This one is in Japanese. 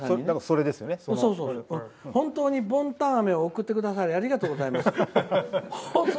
「本当にボンタンアメを送ってくださりありがとうございました。